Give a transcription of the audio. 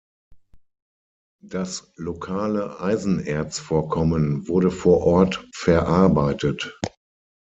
Das lokale Eisenerzvorkommen wurde vor Ort verarbeitet.